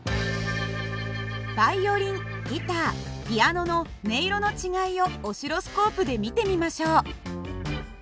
バイオリンギターピアノの音色の違いをオシロスコープで見てみましょう。